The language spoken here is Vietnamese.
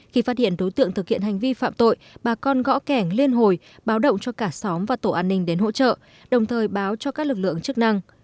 khi phát hiện đối tượng thực hiện hành vi phạm tội bà con gõ kẻng liên hồi báo động cho cả xóm và tổ an ninh đến hỗ trợ đồng thời báo cho các lực lượng chức năng